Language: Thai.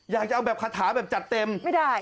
อยากจะเอาแบบคาถาแบบจัดเต็มไม่ได้